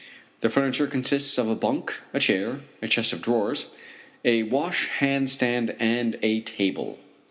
The furniture consists of a bunk, a chair, a chest of drawers, a wash hand stand and a table.